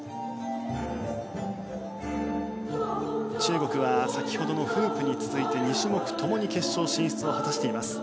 中国は先ほどのフープに続いて２種目ともに決勝進出を果たしています。